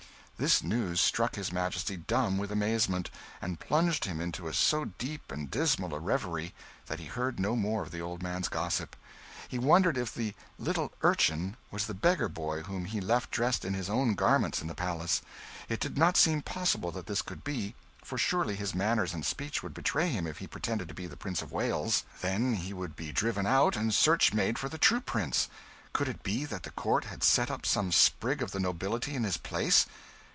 This news struck his Majesty dumb with amazement, and plunged him into so deep and dismal a reverie that he heard no more of the old man's gossip. He wondered if the 'little urchin' was the beggar boy whom he left dressed in his own garments in the palace. It did not seem possible that this could be, for surely his manners and speech would betray him if he pretended to be the Prince of Wales then he would be driven out, and search made for the true prince. Could it be that the Court had set up some sprig of the nobility in his place?